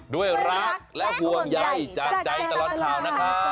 ด้วยรักและห่วงใยจากใจตลอดข่าวนะครับ